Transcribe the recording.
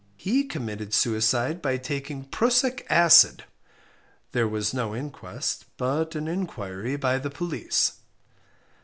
He committed suicide by taking prussic acid. There was no inquest, but an inquiry by the police.